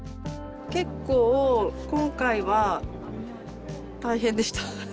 結構今回は大変でした。